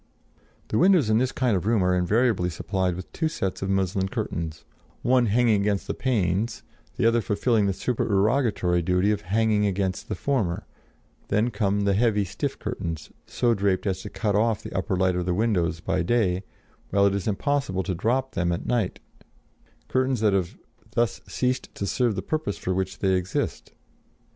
The windows in this kind of room are invariably supplied with two sets of muslin curtains, one hanging against the panes, the other fulfilling the supererogatory duty of hanging against the former; then come the heavy stuff curtains, so draped as to cut off the upper light of the windows by day, while it is impossible to drop them at night: curtains that have thus ceased to serve the purpose for which they exist.